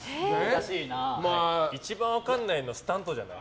一番分かんないのスタントじゃない？